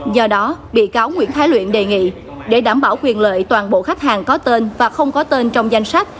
do đó bị cáo nguyễn thái luyện đề nghị để đảm bảo quyền lợi toàn bộ khách hàng có tên và không có tên trong danh sách